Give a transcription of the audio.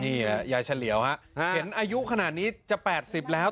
นี่แหละยายเฉลียวฮะเห็นอายุขนาดนี้จะ๘๐แล้ว